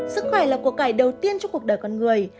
sức khỏe là cuộc cải đầu tiên cho cuộc đời con người